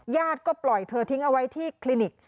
ก็ปล่อยเธอทิ้งเอาไว้ที่คลินิก